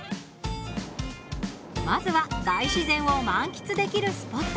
まずは、大自然を満喫できるスポットへ。